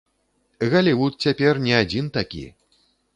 Галівуд цяпер не адзін такі.